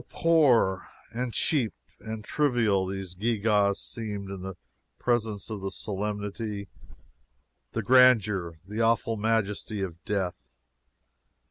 How poor, and cheap, and trivial these gew gaws seemed in presence of the solemnity, the grandeur, the awful majesty of Death!